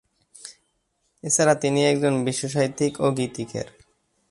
এছাড়া তিনি একজন শিশুসাহিত্যিক ও গীতিকার।